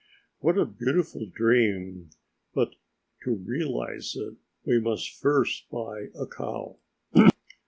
What a beautiful dream! But to realize it we must first buy the cow!